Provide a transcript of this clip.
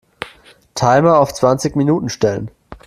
Timer auf zwanzig Minuten stellen.